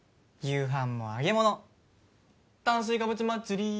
夕飯も揚げ物炭水化物祭り